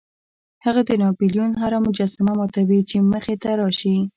هغه د ناپلیون هره مجسمه ماتوي چې مخې ته راشي.